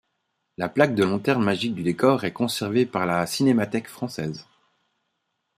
La plaque de lanterne magique du décor est conservée par la Cinémathèque française.